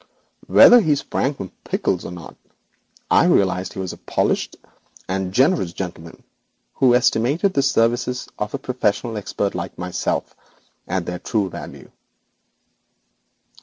Whether he sprang from pickles or not, I realised he was a polished and generous gentleman, who estimated the services of a professional expert like myself at their true value.